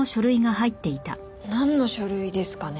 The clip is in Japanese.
なんの書類ですかね？